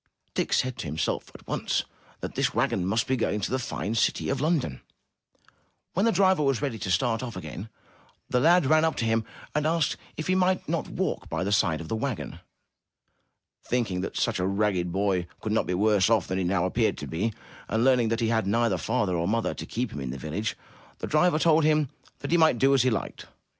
Dick said to himself at once that this wagon must be going to the fine city of London. When the driver was ready to start off again, the lad ran up to him and asked if he might not walk by the side of the wagon. Thinking that such a ragged boy could not be worse off than he now appeared to be, and learning that he had neither father nor mother to keep him in the village, the driver told him that he might do as he liked.